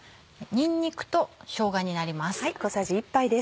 にんにくとしょうがになります。